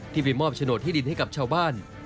ไปมอบโฉนดที่ดินให้กับชาวบ้าน